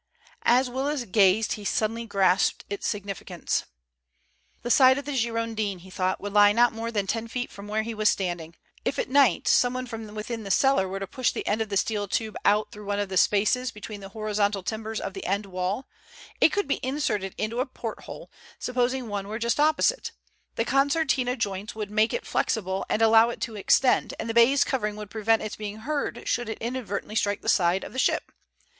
As Willis gazed he suddenly grasped its significance. The side of the Girondin, he thought, would lie not more than ten feet from where he was standing. If at night someone from within the cellar were to push the end of the steel tube out through one of the spaces between the horizontal timbers of the end wall, it could be inserted into a porthole, supposing one were just opposite. The concertina joints would make it flexible and allow it to extend, and the baize covering would prevent its being heard should it inadvertently strike the side of the ship.